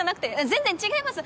全然違います！